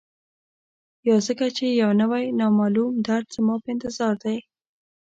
یا ځکه چي یو نوی، نامعلوم درد زما په انتظار دی